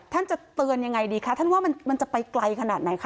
ท่านจะเตือนยังไงดีคะท่านว่ามันจะไปไกลขนาดไหนคะ